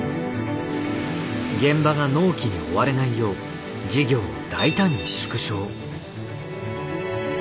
現場が納期に追われないよう事業を大胆に縮小。